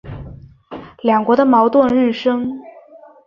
两国的矛盾日深。